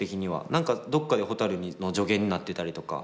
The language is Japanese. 何かどっかでほたるの助言になってたりとか